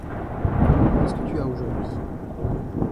Qu’est-ce que tu as aujourd’hui ?